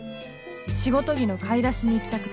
仕事着の買い出しに行きたくて。